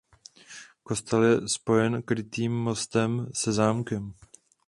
Kostel je spojen krytým mostem se zámkem.